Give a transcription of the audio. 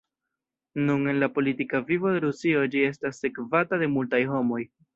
Nun en la politika vivo de Rusio ĝi estas sekvata de multaj homoj.